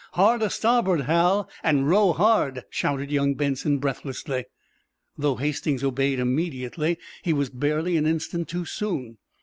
Hard a starboard, Hal, and row hard," shouted young Benson, breathlessly. Though Hastings obeyed immediately he was barely an instant too soon.